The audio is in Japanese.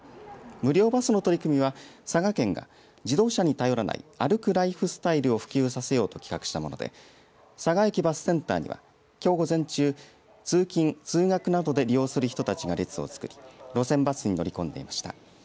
無料バスの取り組みは佐賀県が自動車に頼らない歩くライフスタイルを普及させようと企画したもので佐賀駅バスセンターにはきょう午前中通勤通学などで利用する人たちが列をつくり路線バスに乗り込んでいました。